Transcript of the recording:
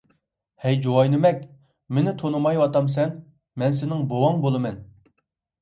ھەي جۇۋايىنىمەك، مېنى تونۇمايۋاتامسەن، مەن سېنىڭ بوۋاڭ بولىمەن.